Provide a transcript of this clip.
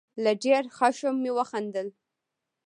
له ډېر خښم مې وخندل.